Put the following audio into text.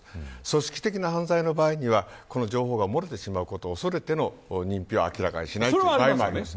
組織的な犯罪の場合には情報が漏れてしまうのを恐れての認否を明らかにしない場合もあります。